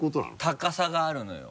高さがあるのよ。